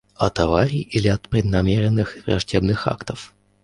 От аварий или от преднамеренных враждебных актов?